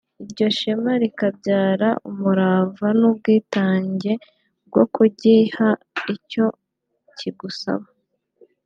iryo shema rikabyara umurava n’ubwitange bwo kugiha icyo kigusaba